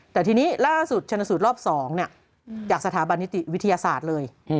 แต่ทีนี้ล่าสุดชนสูตรรอบ๒จากสถาบันนิติวิทยาศาสตร์เลย